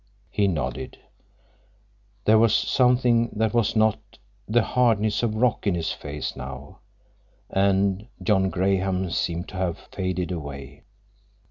He nodded. There was something that was not the hardness of rock in his face now, and John Graham seemed to have faded away.